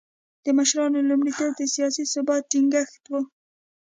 د مشرانو لومړیتوب د سیاسي ثبات ټینګښت و.